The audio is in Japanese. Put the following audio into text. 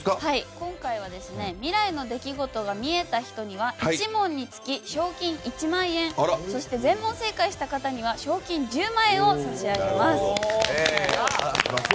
今回は未来の出来事がみえたひとには１問につき賞金１万円そして全問正解した方には賞金１０万円を差し上げます。